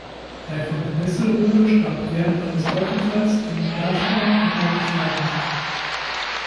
Gräfin Nesselrode starb während eines Aufenthalts in Gastein an einem Schlaganfall.